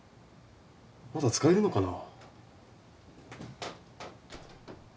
まだ使えるのかな？